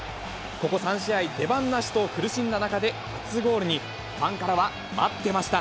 ここ３試合、出番なしと苦しんだ中での初ゴールに、ファンからは待ってました！